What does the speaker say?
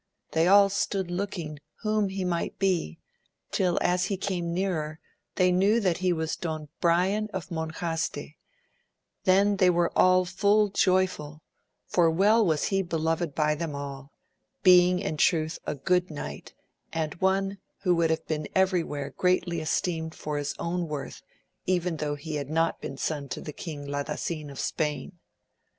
They all stood looking whom he might be, till as he came nearer they knew that he was Don Brian of Monjaste, then were they all full joyful, for well was he beloved by them all, being in truth a good knight, and one who would have been every where greatly esteemed for his own worth even though he had not been son to King Ladasin of Spain.